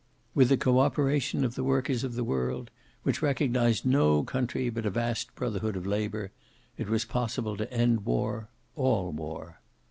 With the cooperation of the workers of the world, which recognized no country but a vast brotherhood of labor, it was possible to end war, all war.